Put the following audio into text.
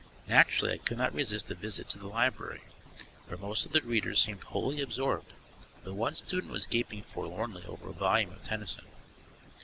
Naturally I could not resist a visit to the library, where most of the readers seemed wholly absorbed, though one student was gaping forlornly over a volume of Tennyson.